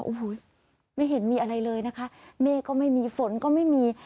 โอ้โหไม่เห็นมีอะไรเลยนะคะเมฆก็ไม่มีฝนก็ไม่มี